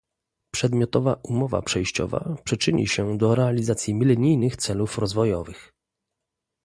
Przedmiotowa umowa przejściowa przyczyni się do realizacji milenijnych celów rozwojowych